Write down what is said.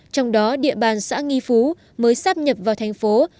trong đó địa bàn xã nghi phú mới sắp nhập vào thành phố